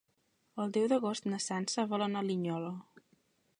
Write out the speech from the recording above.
El deu d'agost na Sança vol anar a Linyola.